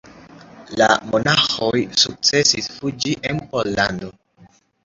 La monaĥoj sukcesis fuĝi en Pollandon.